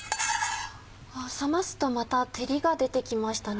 冷ますとまた照りが出て来ましたね。